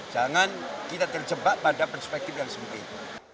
jangan kita terjebak pada perspektif yang sempit